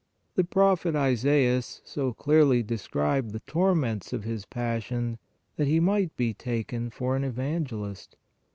The prophet Isaias so clearly described the torments of His Passion, that he might be taken for an evangelist.